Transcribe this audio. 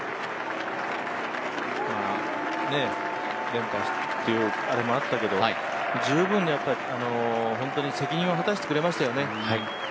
連覇というあれもあったけど、十分に本当に責任を果たしてくれましたよね。